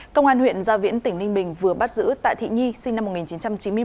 công an huyện gia viễn tỉnh ninh bình vừa bắt giữ tạ thị nhi sinh năm một nghìn chín trăm chín mươi một